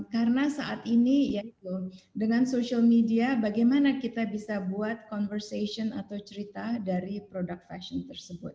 karena saat ini ya itu dengan social media bagaimana kita bisa buat conversation atau cerita dari product fashion tersebut